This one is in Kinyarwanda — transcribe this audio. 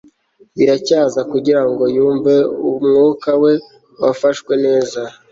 biracyaza, kugirango yumve umwuka we wafashwe neza